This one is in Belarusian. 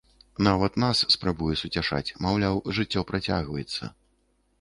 Нават нас спрабуе суцяшаць, маўляў, жыццё працягваецца.